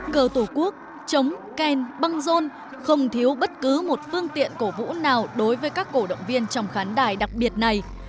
cờ tổ quốc chống kèn băng rôn không thiếu bất cứ một phương tiện cổ vũ nào đối với các cổ động viên trong khán đài đặc biệt này